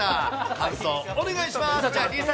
感想、お願いします。